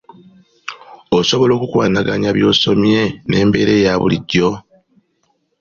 Osobola okukwanaganya by'osomye n'embeera eya bullijjo?